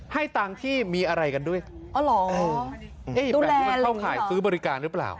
ให้ตังค์ที่มีอะไรกันด้วยอ๋อเหรออ๋อแบบนี้มันเข้าข่ายซื้อบริการหรือเปล่า